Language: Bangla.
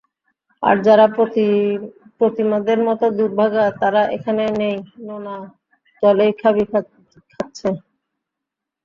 আর, যারা প্রতিমাদের মতো দুর্ভাগা, তারা এখনো সেই নোনা জলেই খাবি খাচ্ছে।